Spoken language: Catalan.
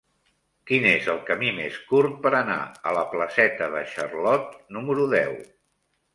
Quin és el camí més curt per anar a la placeta de Charlot número deu?